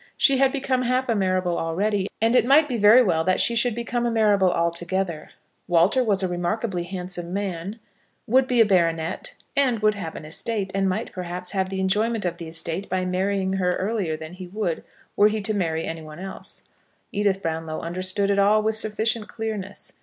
She had become half a Marrable already, and it might be very well that she should become a Marrable altogether. Walter was a remarkably handsome man, would be a baronet, and would have an estate, and might, perhaps, have the enjoyment of the estate by marrying her earlier than he would were he to marry any one else. Edith Brownlow understood it all with sufficient clearness.